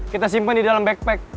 kita simpan di dalam backpack